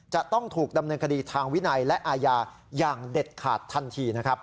จะต้องถูกดำเนินคดีทางวินัยและอาญาอย่างเด็ดขาดทันทีนะครับ